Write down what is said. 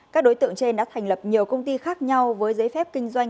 các đối tượng trên đã thành lập nhiều công ty khác nhau với giấy phép kinh doanh